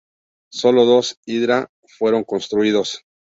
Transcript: Sólo dos Hydra fueron construidos.